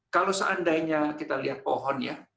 kalau seandainya kita lihat pohon ya